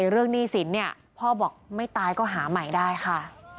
เรื่องหนี้สินพ่อบอกไม่ตายก็หาใหม่ได้ค่ะ